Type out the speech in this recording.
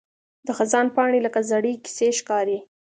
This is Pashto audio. د خزان پاڼې لکه زړې کیسې ښکاري